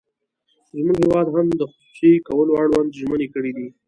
زموږ هېواد هم د خصوصي کولو اړوند ژمنې کړې دي.